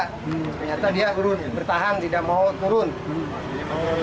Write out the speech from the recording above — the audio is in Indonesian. ternyata dia bertahan tidak mau turun